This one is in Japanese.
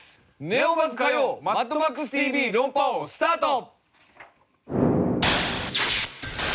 ネオバズ火曜『マッドマックスＴＶ論破王』スタート！